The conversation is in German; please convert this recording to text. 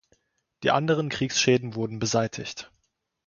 Die anderen Kriegsschäden wurden beseitigt.